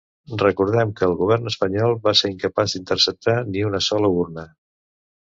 Recordem que el govern espanyol va ser incapaç d’interceptar ni una sola urna.